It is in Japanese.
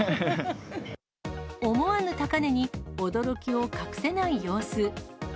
思わぬ高値に、驚きを隠せない様子。